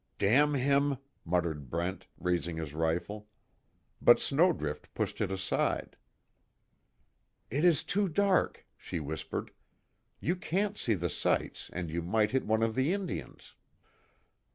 "Damn him!" muttered Brent, raising his rifle. But Snowdrift pushed it aside. "It is too dark," she whispered, "You can't see the sights, and you might hit one of the Indians."